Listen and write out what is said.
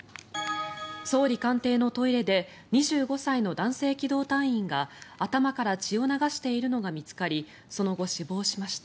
総理官邸のトイレで２５歳の男性機動隊員が頭から血を流しているのが見つかりその後、死亡しました。